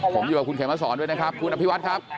เหลือเพียงกลุ่มเจ้าหน้าที่ตอนนี้ได้ทำการแตกกลุ่มออกมาแล้วนะครับ